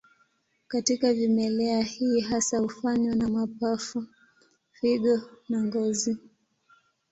Katika vimelea hii hasa hufanywa na mapafu, figo na ngozi.